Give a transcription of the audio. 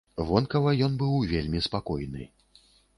Вонкава ён быў вельмі спакойны.